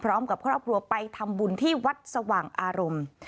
พร้อมกับครอบครัวไปทำบุญที่วัดสว่างอารมณ์